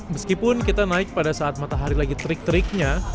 meskipun kita naik pada saat matahari lagi terik teriknya